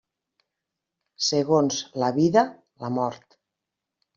Segons la vida, la mort.